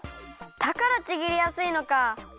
だからちぎりやすいのか！